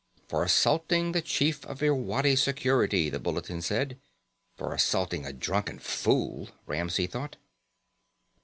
For assaulting the Chief of Irwadi Security, the bulletin said. For assaulting a drunken fool, Ramsey thought.